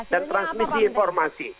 dan transmisi informasi